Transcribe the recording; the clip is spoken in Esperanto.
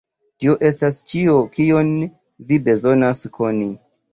Tio estas ĉio kion vi bezonas koni.